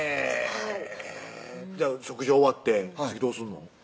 へぇ食事終わって次どうすんの？